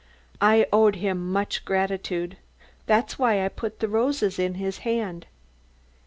"I owed him much gratitude; that's why I put the roses in his hand."